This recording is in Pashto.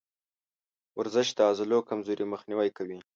ورزش د عضلو کمزوري مخنیوی کوي.